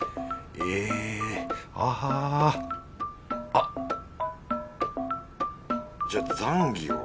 えあ！あっ！じゃザンギを。